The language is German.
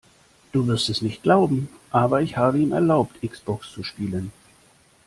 Du wirst es nicht glauben, aber ich habe ihm erlaubt X-Box zu spielen.